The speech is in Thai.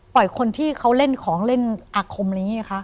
คนที่เขาเล่นของเล่นอาคมอะไรอย่างนี้ไงคะ